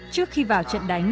trước khi vào trận đánh